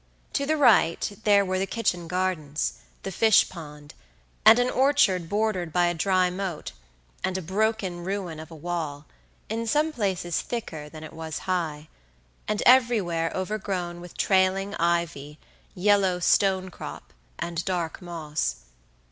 To the right there were the kitchen gardens, the fish pond, and an orchard bordered by a dry moat, and a broken ruin of a wall, in some places thicker than it was high, and everywhere overgrown with trailing ivy, yellow stonecrop, and dark moss.